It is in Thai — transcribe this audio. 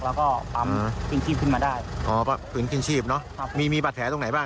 และก็ปั๊มกินฉีบขึ้นมาได้